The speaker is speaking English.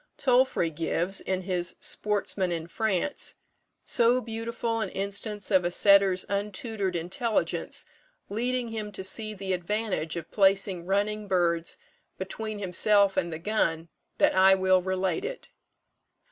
Tolfrey gives, in his "Sportsman in France," so beautiful an instance of a setter's untutored intelligence leading him to see the advantage of placing running birds between himself and the gun, that I will relate it.